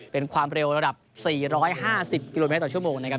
เป็นความเร็วระดับ๔๕๐กิโลเมตรต่อชั่วโมงนะครับ